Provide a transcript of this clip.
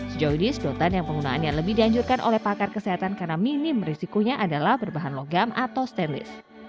sejauh ini sedotan yang penggunaannya lebih dianjurkan oleh pakar kesehatan karena minim risikonya adalah berbahan logam atau stainless